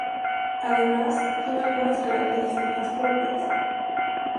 Además, tiene algunas características propias.